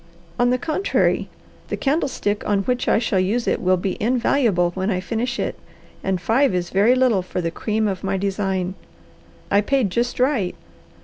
"On the contrary the candlestick on which I shall use it will be invaluable when I finish it, and five is very little for the cream of my design. I paid just right.